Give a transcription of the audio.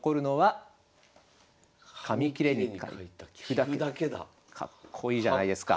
かっこいいじゃないですか。